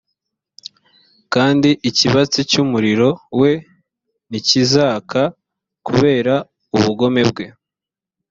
kandi ikibatsi cy’umuriro we ntikizaka kubera ubugome bwe